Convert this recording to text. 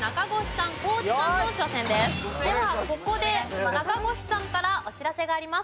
ではここで中越さんからお知らせがあります。